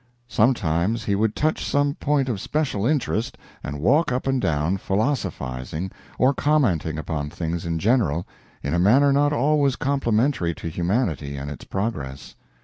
Sometimes he would touch some point of special interest and walk up and down, philosophizing, or commenting upon things in general, in a manner not always complimentary to humanity and its progress.